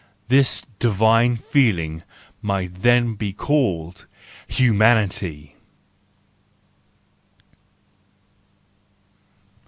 This divine feeling might then be called—humanity!